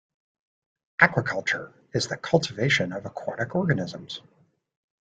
Aquaculture is the cultivation of aquatic organisms.